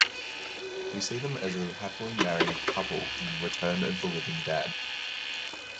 We see them as a happily married couple in "Return of the Living Dad".